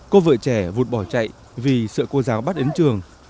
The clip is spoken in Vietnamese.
cô vợ trẻ vụt bỏ chạy vì sợ cô giáo bắt đến trường